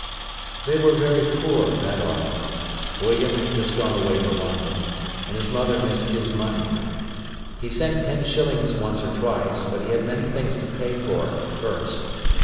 They were very poor that autumn. William had just gone away to London, and his mother missed his money. He sent ten shillings once or twice, but he had many things to pay for at first.